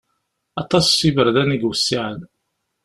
Aṭas n iberdan i iwessiɛen.